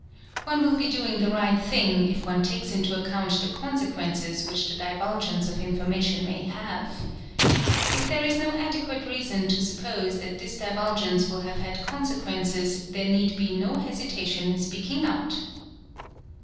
One will be doing the right thing if one takes into account the consequences which the divulgence of information may have. If there is no adequate reason to suppose that this divulgence will have bad consequences there need be no' hesitation in speaking out.